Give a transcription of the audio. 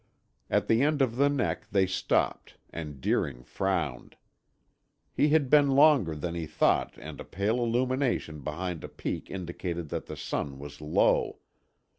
At the end of the neck they stopped and Deering frowned. He had been longer than he thought and a pale illumination behind a peak indicated that the sun was low.